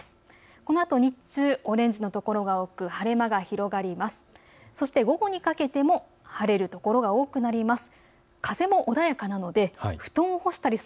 このあと日中、オレンジの所が多く晴れ間が広がります。